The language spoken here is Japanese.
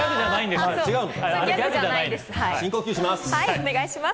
深呼吸します。